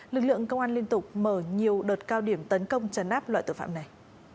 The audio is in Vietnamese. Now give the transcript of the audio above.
lực lượng công an liên tục mở nhiều đợt cao điểm tấn công chấn áp loại tội phạm này